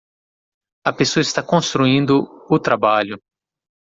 A pessoa está construindo o trabalho.